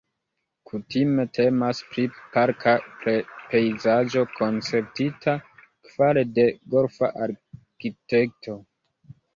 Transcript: Kutime temas pri parka pejzaĝo konceptita fare de golfa arkitekto.